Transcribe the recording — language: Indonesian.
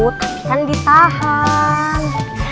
tapi kan ditahan